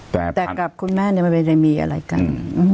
แต่กับคุณแม่ไม่ได้มีอะไรกัน